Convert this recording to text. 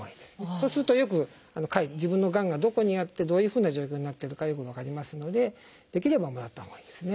そうすると自分のがんがどこにあってどういうふうな状況になってるかよく分かりますのでできればもらったほうがいいですね。